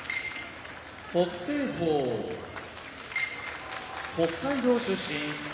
北青鵬北海道出身宮城野部屋